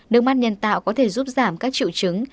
nước mắt nhân tạo có thể giúp giảm các triệu chứng